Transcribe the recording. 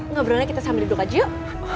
ngobrolnya kita sambil duduk aja yuk